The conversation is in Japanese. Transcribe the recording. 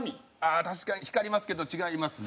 確かに光りますけど違いますね。